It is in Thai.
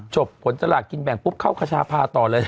ผลสลากกินแบ่งปุ๊บเข้าขชาพาต่อเลย